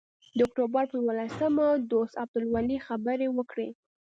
د اکتوبر پر یوولسمه دوست عبدالولي خبرې وکړې.